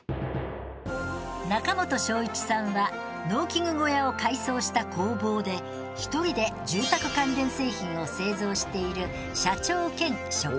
中元正一さんは農機具小屋を改装した工房で一人で住宅関連製品を製造している社長兼職人さんです。